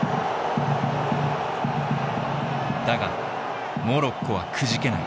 だがモロッコはくじけない。